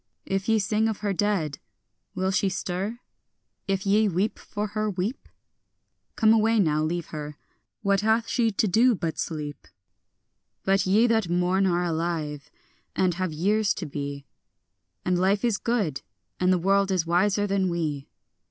If ye sing of her dead, will she stir? if ye weep for her, weep? Come away now, leave her; what hath she to do but sleep? But ye that mourn are alive, and have years to be; And life is good, and the world is wiser than we.